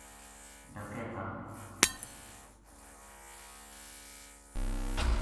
ڈَکے تھا